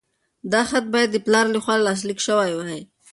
دا خط باید د پلار لخوا لاسلیک شوی وای.